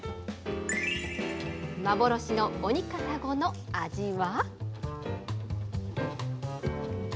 幻のオニカサゴの味は？